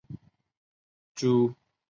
朱佑棨于弘治十八年袭封淮王。